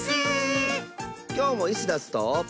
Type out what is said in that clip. きょうもイスダスと。